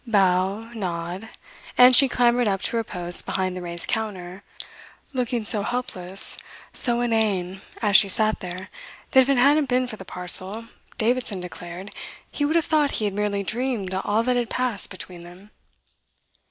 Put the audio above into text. Bow, nod and she clambered up to her post behind the raised counter, looking so helpless, so inane, as she sat there, that if it hadn't been for the parcel, Davidson declared, he would have thought he had merely dreamed all that had passed between them.